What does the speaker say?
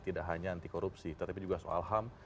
tidak hanya anti korupsi tetapi juga soal ham